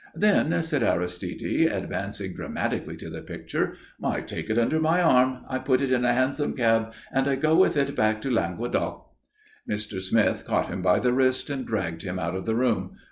"Then," said Aristide, advancing dramatically to the picture, "I take it under my arm, I put it in a hansom cab, and I go with it back to Languedoc." Mr. Smith caught him by the wrist and dragged him out of the room.